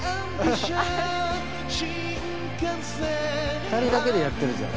２人だけでやってるじゃん。